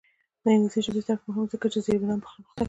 د انګلیسي ژبې زده کړه مهمه ده ځکه چې زیربنا پرمختګ کوي.